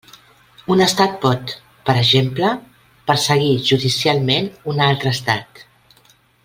Un estat pot, per exemple, perseguir judicialment un altre estat.